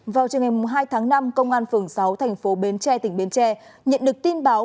vào trường ngày hai tháng năm công an phường sáu thành phố bến tre tỉnh bến tre nhận được tin báo